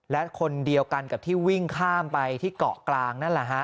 และคนเดียวกันกับที่วิ่งข้ามไปที่เกาะกลางนั่นแหละฮะ